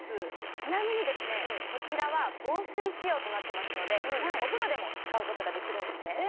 ちなみにですねこちらは防水仕様となってますのでお風呂でも使うことができるんですね